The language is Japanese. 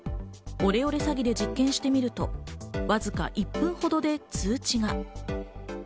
オレオレ詐欺で実験してみると、わずか１分ほどで通知が。